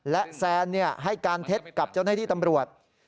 และแซนให้การเท็จกับเจ้าหน้าที่ตำรวจ